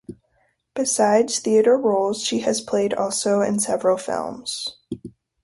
Besides theatre roles she has played also in several films.